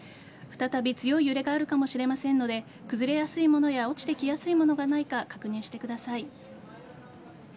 再び、強い揺れがあるかもしれませんので崩れやすいものや落ちてきやすいものがないか確認してください。